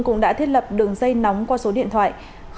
cũng đã thiết lập đường dây nóng qua số điện thoại